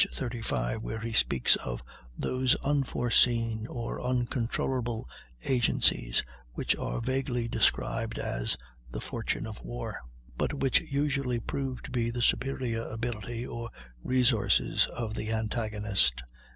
35, where he speaks of "those unforeseen or uncontrollable agencies which are vaguely described as the 'fortune of war,' but which usually prove to be the superior ability or resources of the antagonist."